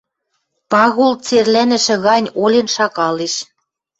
Пагул церлӓнӹшӹ гань олен шагалеш.